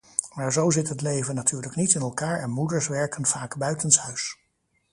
Maar zo zit het leven natuurlijk niet in elkaar en moeders werken vaak buitenshuis.